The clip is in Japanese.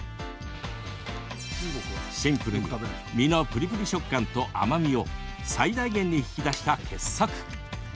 シンプルに実のプリプリ食感と甘みを最大限に引き出した傑作。